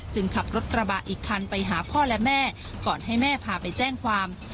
ขับรถกระบะอีกคันไปหาพ่อและแม่ก่อนให้แม่พาไปแจ้งความ